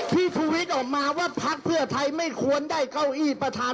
ชูวิทย์ออกมาว่าพักเพื่อไทยไม่ควรได้เก้าอี้ประธาน